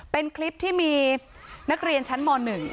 เป็นคลิปที่มีนักเรียนชั้นม๑